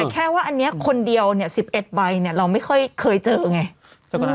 แค่ว่าอันนี้คนเดียว๑๑ใบเราไม่ค่อยเคยเจอไง